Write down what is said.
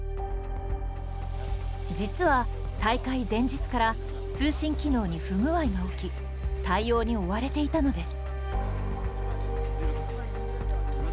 実は大会前日から通信機能に不具合が起き対応に追われていたのです。